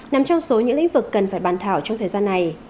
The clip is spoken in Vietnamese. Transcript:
nằm trong số những lĩnh vực cần phải bàn thảo trong thời gian này